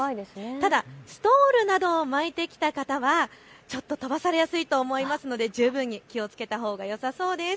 ただストールなどを巻いてきた方はちょっと飛ばされやすいと思いますので気をつけたほうがよさそうです。